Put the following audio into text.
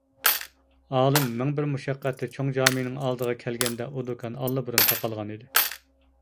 ئالىم مىڭ بىر مۇشەققەتتە چوڭ جامىنىڭ ئالدىغا كەلگەندە ئۇ دۇكان ئاللىبۇرۇن تاقالغان ئىدى.